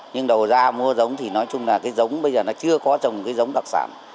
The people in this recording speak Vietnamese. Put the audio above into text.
nhưng đầu ra mua giống thì nói chung là cái giống bây giờ nó chưa có trồng cái giống đặc sản